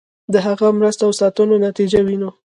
د هغه مرستو او ساتنو نتیجه وینو.